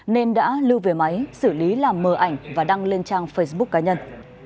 nên đã lưu về máy xử lý làm mờ ảnh và đăng lên trang facebook cá nhân